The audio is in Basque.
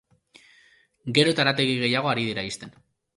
Gero eta harategi gehiago ari dira ixten.